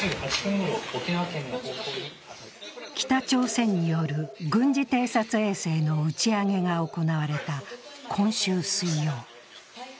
北朝鮮による軍事偵察衛星の打ち上げが行われた今週水曜。